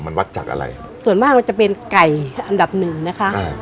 มันวัดจากอะไรส่วนมากมันจะเป็นไก่อันดับหนึ่งนะคะอ่า